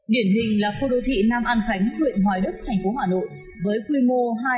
điển hình là khu đô thị nam an khánh huyện hoài đức thành phố hà nội với quy mô hai trăm tám mươi ha